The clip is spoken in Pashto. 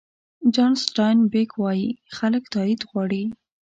جان سټاین بېک وایي خلک تایید غواړي.